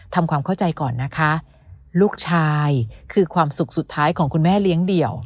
ทำความเข้าใจก่อนนะคะลูกชายคือความสุขสุดท้ายของคุณแม่เลี้ยงเดี่ยว